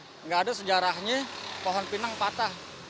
tidak ada sejarahnya pohon pinang patah